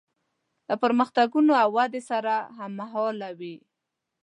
له پرمختګونو او ودې سره هممهاله وي.